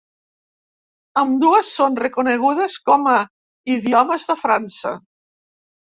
Ambdues són reconegudes com a idiomes de França.